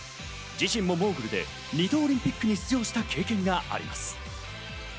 自身もモーグルで２度オリンピックに出場した経験があります。